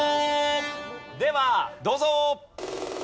ではどうぞ。